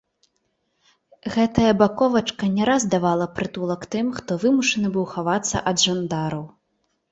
Гэтая баковачка не раз давала прытулак тым, хто вымушаны быў хавацца ад жандараў.